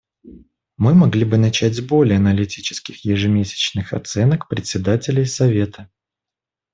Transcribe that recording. Мы могли бы начать с более аналитических ежемесячных оценок председателей Совета.